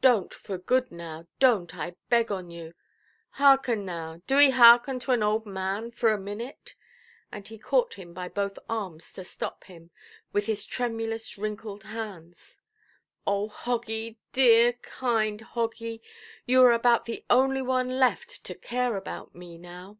Donʼt, for good now, donʼt, I beg on you. Hearken now; doʼee hearken to an old man for a minute". And he caught him by both arms to stop him, with his tremulous, wrinkled hands. "O Hoggy, dear, kind Hoggy! you are about the only one left to care about me now".